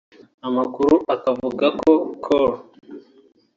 Amakuru akavuga ko Col